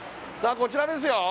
こちらですよ